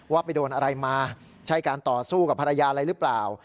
ว่าไปโดนอะไรมาใช่การต่อสู้กับภรรยาอะไรหรือเปล่า